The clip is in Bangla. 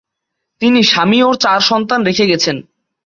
তিনি স্বামী ও চার সন্তান রেখে গেছেন।